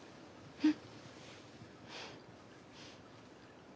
うん。